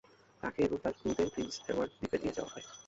তাকে এবং তার ক্রুদের প্রিন্স এডওয়ার্ড দ্বীপে নিয়ে যাওয়া হয়।